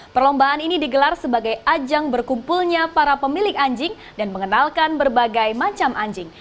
perlombaan ini digelar sebagai ajang berkumpulnya para pemilik anjing dan mengenalkan berbagai macam anjing